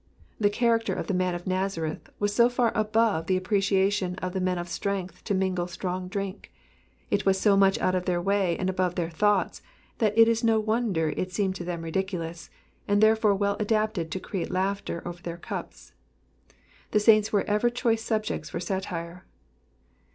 The character of the man of Nazareth was so far above the appreciation of the men of strength to mingle strong drink, it was so much out of their way and above their thoughts, that it is no wonder it seemed to them ridiculous, and therefore well adapted to create laughter over their cups. The saints are ever choice subjects for satire.